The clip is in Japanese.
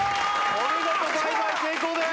お見事倍買成功です